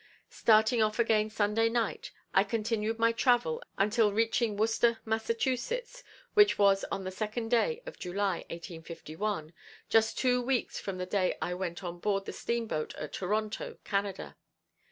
Starting off again Sunday night, I continued my travel until reaching Worcester, Mass., which was on the second day of July, 1851, just two weeks from the day I went on board the steamboat at Toronto, Canada.